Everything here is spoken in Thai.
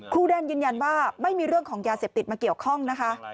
แดนยืนยันว่าไม่มีเรื่องของยาเสพติดมาเกี่ยวข้องนะคะ